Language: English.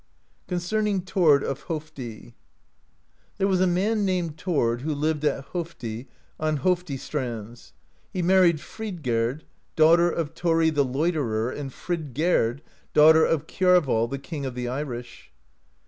CONCERNING THORD OF HOFDL There was a man named Thord, who lived at Hofdi on Hofdi strands. He married Fridgerd, daughter of Thori the Loiterer and Fridgerd, daughter of Kiarval the King of the Irish.